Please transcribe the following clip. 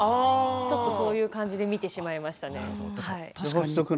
ちょっとそういう感じで見てしまいましたね。